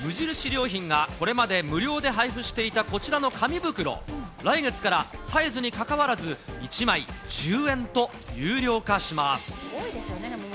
良品がこれまで無料で配布していたこちらの紙袋、来月からサイズにかかわらず、１枚１０円と有料化します。